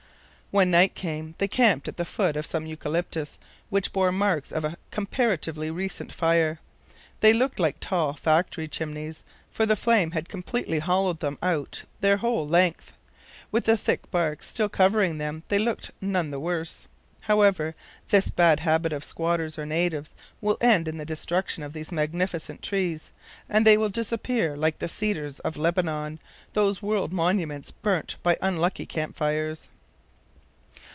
When night came they camped at the foot of some eucalyptus, which bore marks of a comparatively recent fire. They looked like tall factory chimneys, for the flame had completely hollowed them out their whole length. With the thick bark still covering them, they looked none the worse. However, this bad habit of squatters or natives will end in the destruction of these magnificent trees, and they will disappear like the cedars of Lebanon, those world monuments burnt by unlucky camp fires.